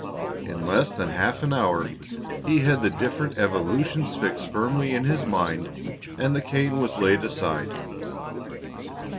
In less than half an hour he had the different evolutions fixed firmly in his mind and the cane was laid aside.